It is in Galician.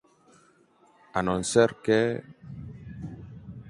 A non ser que…